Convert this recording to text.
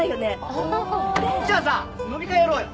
ああー！じゃあさ飲み会やろうよ。